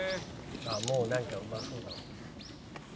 「もうなんかうまそうだもん」